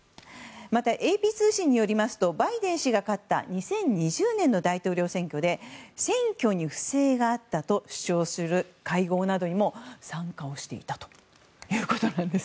また、ＡＰ通信によりますとバイデン氏が勝った２０２０年の大統領選挙で選挙に不正があったと主張する会合などにも参加をしていたということです。